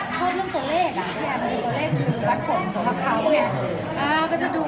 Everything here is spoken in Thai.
ชอบเรื่องตัวเลขน่ะเขาดูตัวเลขวัดป่นเขาก็เห็น